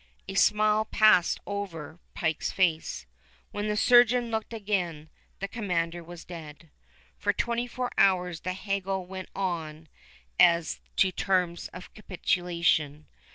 A smile passed over Pike's face. When the surgeon looked again, the commander was dead. For twenty four hours the haggle went on as to terms of capitulation.